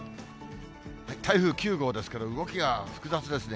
台風９号ですけど、動きが複雑ですね。